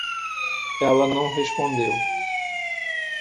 Ela não respondeu.